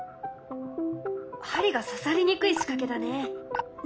針がささりにくい仕掛けだね。